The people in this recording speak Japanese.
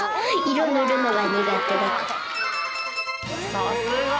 さすが！